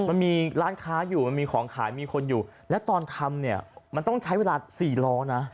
มันมีร้านค้าอยู่มันมีของขายมีคนอยู่และตอนทำเนี่ยมันต้องใช้เวลาสี่ล้อนะ